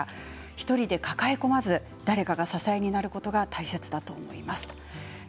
１人で抱え込まず誰かが支えになることが大切だと思いますということです。